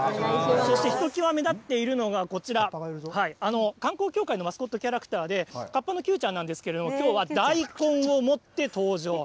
そして一際目立っているのがこちら、観光協会のマスコットキャラクターで、河童のキューちゃんなんですけれども、きょうは大根を持って登場。